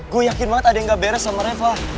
gue yakin banget ada yang gak beres sama reva